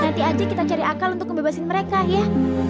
nanti aja kita cari akal untuk ngebebasin mereka ya